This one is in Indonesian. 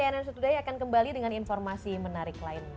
cnn today akan kembali dengan informasi menarik lain